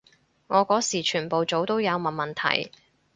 我嗰時全部組都有問問題